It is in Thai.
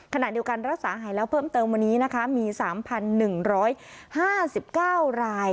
ขณะเดียวกันรักษาหายแล้วเพิ่มเติมวันนี้นะคะมี๓๑๕๙ราย